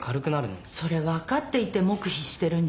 それ分かっていて黙秘してるんじゃ。